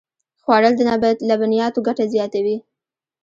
خوړل د لبنیاتو ګټه زیاتوي